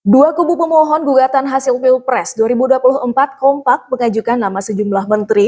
dua kubu pemohon gugatan hasil pilpres dua ribu dua puluh empat kompak mengajukan nama sejumlah menteri